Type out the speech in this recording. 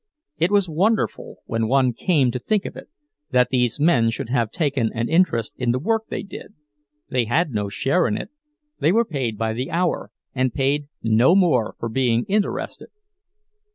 It was wonderful, when one came to think of it, that these men should have taken an interest in the work they did—they had no share in it—they were paid by the hour, and paid no more for being interested.